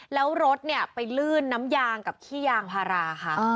แล้วรถเนี่ยไปลื่นน้ำยางกับขี้ยางพาราค่ะ